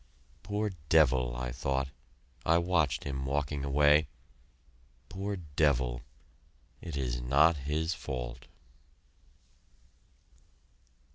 "Poor devil," I thought. I watched him, walking away.... "Poor devil,... it is not his fault."...